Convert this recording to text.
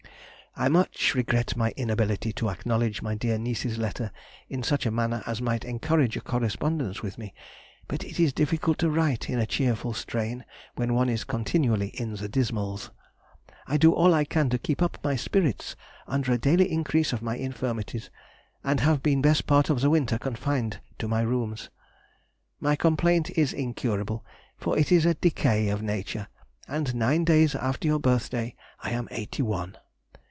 I much regret my inability to acknowledge my dear niece's letter in such a manner as might encourage a correspondence with me, but it is difficult to write in a cheerful strain when one is continually in the dismals. I do all I can to keep up my spirits under a daily increase of my infirmities, and have been best part of the winter confined to my rooms. My complaint is incurable, for it is a decay of nature, and nine days after your birthday I am eighty one.